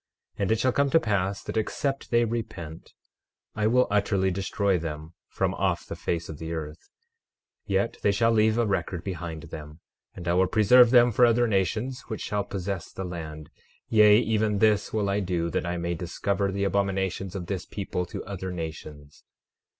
12:8 And it shall come to pass that except they repent I will utterly destroy them from off the face of the earth; yet they shall leave a record behind them, and I will preserve them for other nations which shall possess the land; yea, even this will I do that I may discover the abominations of this people to other nations.